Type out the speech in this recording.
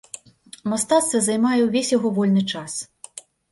Мастацтва займае ўвесь яго вольны час.